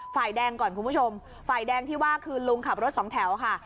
ฝ่ายแดงก่อนคุณผู้ชมฝ่ายแดงที่ว่าคือลุงขับรถสองแถวค่ะ